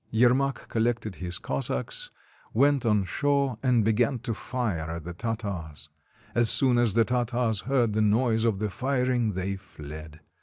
'" Yermak collected his Cossacks, went on shore, and began to fire at the Tartars. As soon as the Tartars heard the noise of the firing, they fled.